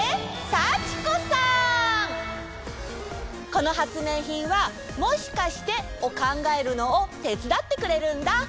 このはつめいひんは「もしかして」をかんがえるのをてつだってくれるんだ。